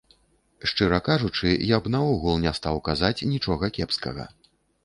Шчыра кажучы, я б наогул не стаў казаць нічога кепскага.